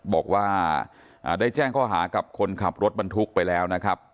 บอกว่าได้แจ้งข้อหากับคนขับรถบรรทุกไปแล้วนะครับ